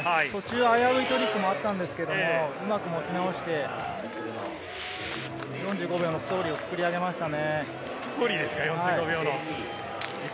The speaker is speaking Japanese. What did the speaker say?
危ういトリックもあったんですが、持ち直して４５秒のストーリーを作り上げましたね。